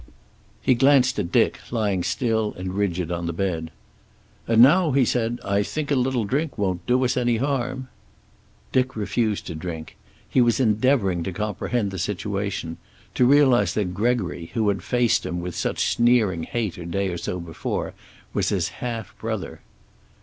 He glanced at Dick, lying still and rigid on the bed. "And now," he said. "I think a little drink won't do us any harm." Dick refused to drink. He was endeavoring to comprehend the situation; to realize that Gregory, who had faced him with such sneering hate a day or so before, was his half brother.